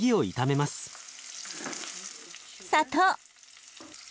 砂糖。